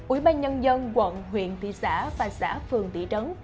ủy ban nhân dân quận huyện thị xã và xã phường tỷ trấn